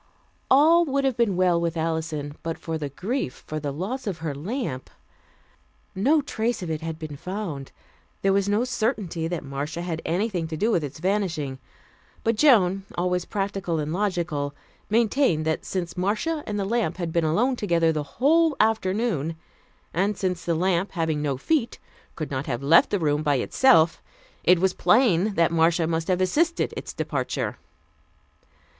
All would have been well with Alison, but for the grief for the loss of her lamp. No trace of it had been found. There was no certainty that Marcia had had anything to do with its vanishing, but Joan, always practical and logical, maintained that since Marcia and the lamp had been alone together the whole afternoon, and since the lamp, having no feet, could not have left the room by itself, it was plain that Marcia must have assisted its departure.